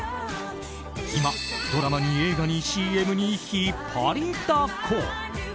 今、ドラマに映画にＣＭに引っ張りだこ！